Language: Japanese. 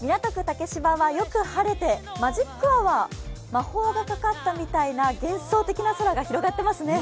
竹芝はよく晴れてマジックアワー、魔法がかかったみたいな幻想的な空が広がっていますね。